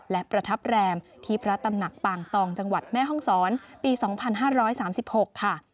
และประทับแรมที่พระตำหนักปางตองจังหวัดแม่ห้องศรปี๒๕๓๖ค่ะ